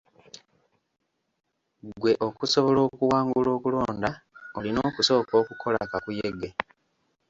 Gwe okusobola okuwangula okulonda olina okusooka okukola kakuyege.